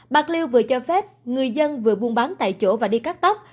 bạc liêu vừa cho phép người dân vừa buôn bán tại chỗ và đi cắt tóc